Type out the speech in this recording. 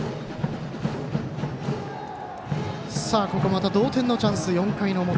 また同点のチャンス、４回の表。